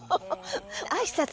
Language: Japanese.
あいさつ